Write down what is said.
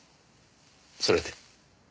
それで？